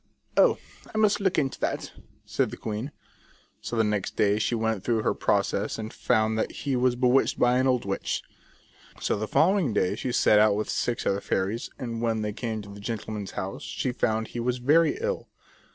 " Oh, I must look into that," said the queen. So the next day she went through her process and found that he was bewitched by an old witch. So the following day she set out with six other fairies, and when they came to the gentleman's house she found he was very ill.